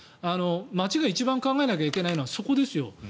町が一番考えなきゃいけないのはそこですよ。